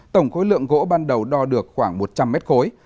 tổng khối lượng gỗ ban đầu đo được khoảng một trăm linh mét khối